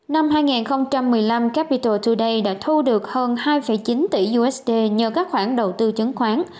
năm hai nghìn một mươi năm capital today đã thu được hơn hai chín tỷ usd nhờ các khoản đầu tư chứng khoán